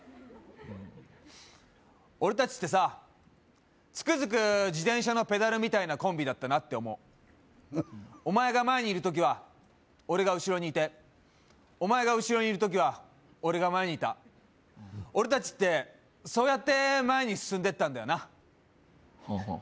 うん俺達ってさつくづく自転車のペダルみたいなコンビだったなって思うお前が前にいる時は俺が後ろにいてお前が後ろにいる時は俺が前にいた俺達ってそうやって前に進んでったんだよなはあはあはあ